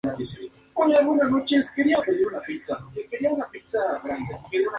Nació en la ciudad de Sofía.